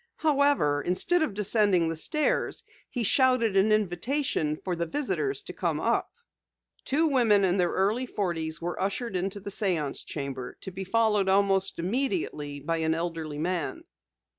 However, instead of descending the stairs he shouted an invitation for the visitors to come up. Two women in their early forties were ushered into the séance chamber, to be followed almost immediately by an elderly man.